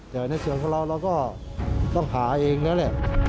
เจอหน้าเชืองของเราเราก็ต้องหาเองแล้วแหละ